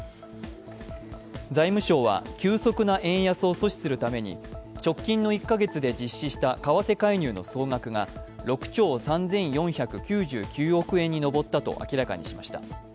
財務省は急速な円安を阻止するために直近の１か月で実施した為替介入の総額が６兆３４９９億円に上ったと明らかにしました。